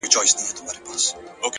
مثبت فکر د ناامیدۍ ځای تنګوي!